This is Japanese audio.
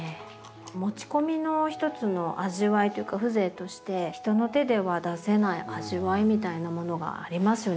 持ち込みのひとつの味わいというか風情として人の手では出せない味わいみたいなものがありますよね。